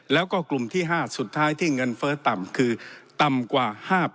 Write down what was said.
แล้วก็กลุ่มที่๕สุดท้ายที่เงินเฟ้อต่ำคือต่ำกว่า๕๐๐